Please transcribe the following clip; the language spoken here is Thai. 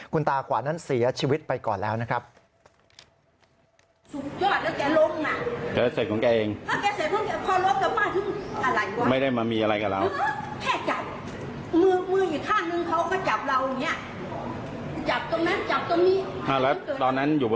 คุณตาขวานนั้นเสียชีวิตไปก่อนแล้วนะครับ